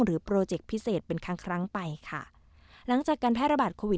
หรือโปรเจกต์พิเศษเป็นครั้งไปค่ะหลังจากการแพร่ระบาดโควิด